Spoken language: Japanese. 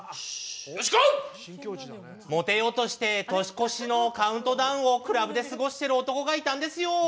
モテようとして年越しのカウントダウンをクラブで過ごしている男がいたんですよ。